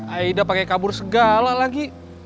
aida pakai kabur segala lagi